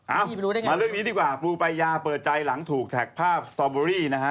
มาเรื่องนี้ดีกว่าปูปายาเปิดใจหลังถูกแท็กภาพสตอเบอรี่นะฮะ